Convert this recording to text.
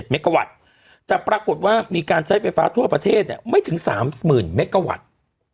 เมกาวัตต์แต่ปรากฏว่ามีการใช้ไฟฟ้าทั่วประเทศไม่ถึง๓๐๐๐เมกาวัตต์